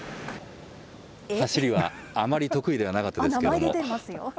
走りはあまり得意ではなかったですけれども。